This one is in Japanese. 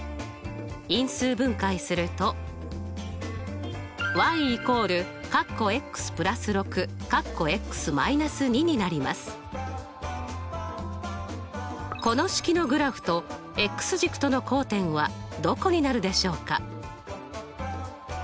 因数分解するとこの式のグラフと軸との交点はどこになるでしょうか？